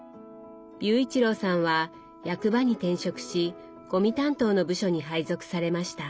雄一郎さんは役場に転職しゴミ担当の部署に配属されました。